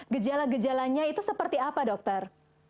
gejala gejalanya itu seperti apa dokter